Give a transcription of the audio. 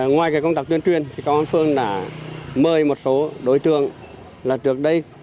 ngoài công tác tuyên truyền công an phường đã mời một số đối tượng trước đây